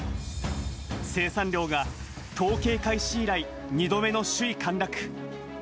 生産量が統計開始以来、２度目の首位陥落。